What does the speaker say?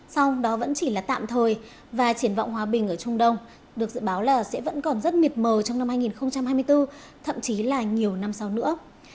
xong đó vẫn chỉ là tạm thời và triển vọng hòa bình ở trung đông được dự báo là sẽ vẫn còn rất mịt mờ trong năm hai nghìn hai mươi bốn thậm chí là nhiều năm sau nữa